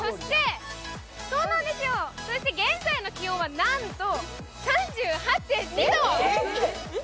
そして現在の気温は、なんと３８．２度！